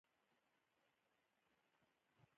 افغانستان زما کعبه ده